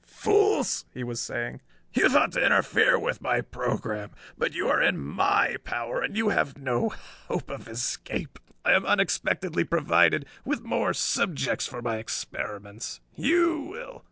"Fools!" he was saying. "You thought to interfere with my program. But you are in my power and you have no hope of escape. I am unexpectedly provided with more subjects for my experiments. You will...."